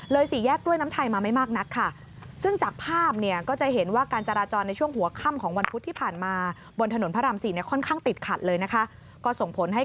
เลยสี่แยกด้วยน้ำไทยมาไม่มากนักค่ะ